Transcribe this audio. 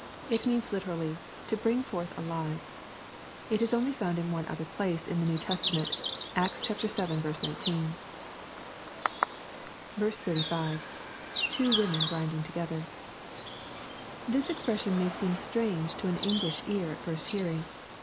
It means literally, " to bring forth alive." It is only found in one other placa in the New Testament. Acts vii. 19. 35. — [Two women...grinding together^ This expression may seem strange to an English ear at first hearing.